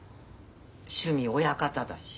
趣味親方だし。